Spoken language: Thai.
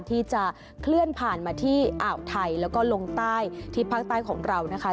ที่จะเคลื่อนผ่านมาที่อ่าวไทยแล้วก็ลงใต้ที่ภาคใต้ของเรานะคะ